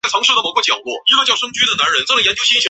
晋国伯宗之子。